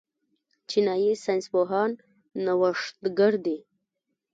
چینايي ساینس پوهان نوښتګر دي.